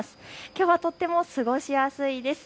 きょうはとても過ごしやすいです。